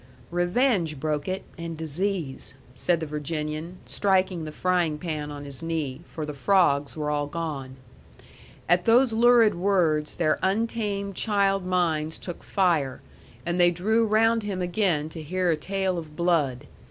"Revenge broke it, and disease," said the Virginian, striking the frying pan on his knee, for the frogs were all gone. At those lurid words their untamed child minds took fire, and they drew round him again to hear a tale of blood.